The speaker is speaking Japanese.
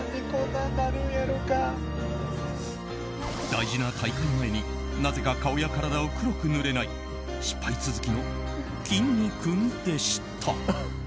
大事な大会前になぜか顔や体を黒く塗れない失敗続きの、きんに君でした。